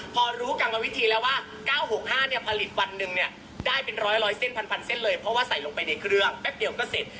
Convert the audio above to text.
พอรู้กรรมวิธีแล้วว่า๙๖๕เนี่ยผลิตวันหนึ่งเนี่ยได้เป็นร้อยเส้นพันเส้นเลยเพราะว่าใส่ลงไปในเครื่องแป๊บเดียวก็เสร็จ